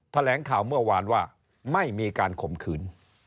แถลงข่าวเมื่อวานว่าไม่มีการข่มขืน